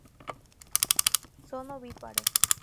Son Ovíparos.